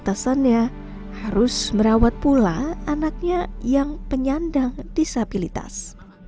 batasannya harus merawat pula anaknya yang penyandang disabilitas